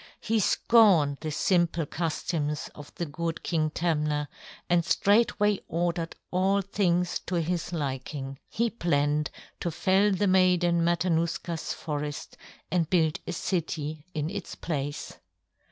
He scorned the simple customs of the good King Tamna and straightway ordered all things to his liking. He planned to fell the Maiden Matanuska's forest and build a city in its place.